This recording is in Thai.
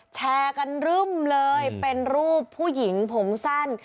แชร์กันรึ่มเลยเป็นรูปผู้หญิงผมสั้น